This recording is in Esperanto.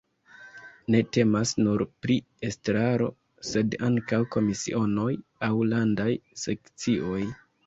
Ne temas nur pri estraro, sed ankaŭ komisionoj aŭ landaj sekcioj.